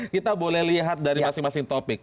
kita boleh lihat dari masing masing topik